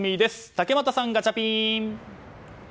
竹俣さん、ガチャピン！